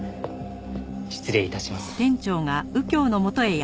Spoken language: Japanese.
失礼致します。